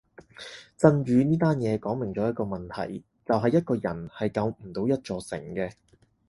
震宇呢單嘢講明咗一個問題就係一個人係救唔到一座城嘅